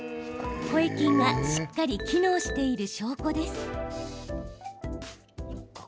声筋がしっかり機能している証拠です。